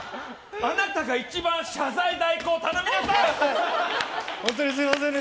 あなたが一番謝罪代行頼みなさい！